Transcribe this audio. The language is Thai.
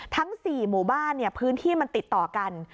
ทั้ง๔หมู่บ้านพื้นที่มันติดต่อกัน